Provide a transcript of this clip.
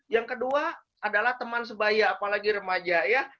yang kedua adalah teman sebaya apalagi remaja ya